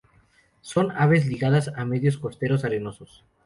Son aves ligadas a medios costeros arenosos.